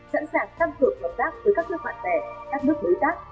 sẵn sàng tăng cường hợp tác với các nước bạn bè các nước đối tác